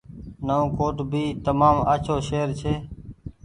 نئون ڪوٽ ڀي تمآم آڇو شهر ڇي۔